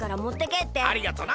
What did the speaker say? ありがとな！